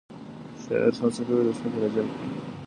شاعر هڅه کوي لوستونکی راجلب کړي.